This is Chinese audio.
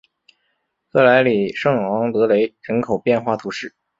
克莱里圣昂德雷人口变化图示